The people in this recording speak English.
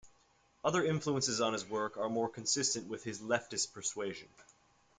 Other influences on his work are more consistent with his leftish persuasion.